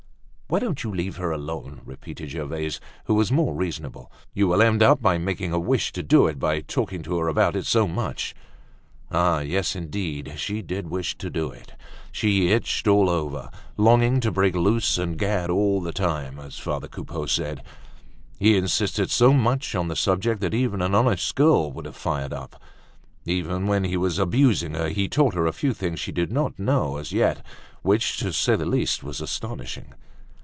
"Why don't you leave her alone?" repeated Gervaise, who was more reasonable. "You will end by making her wish to do it by talking to her about it so much." Ah! yes, indeed, she did wish to do it. She itched all over, longing to break loose and gad all the time, as father Coupeau said. He insisted so much on the subject that even an honest girl would have fired up. Even when he was abusing her, he taught her a few things she did not know as yet, which, to say the least was astonishing.